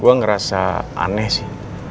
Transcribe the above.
gue ngerasa aneh sih